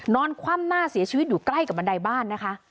คว่ำหน้าเสียชีวิตอยู่ใกล้กับบันไดบ้านนะคะ